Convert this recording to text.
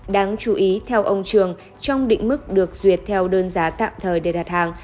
đáng chú ý theo ông trường trong định mức được duyệt theo đơn giá tạm thời để đặt hàng